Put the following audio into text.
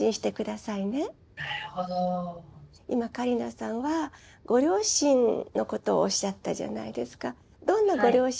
今桂里奈さんはご両親のことをおっしゃったじゃないですか。